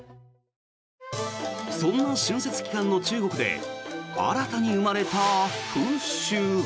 そんな春節期間の中国で新たに生まれた風習が。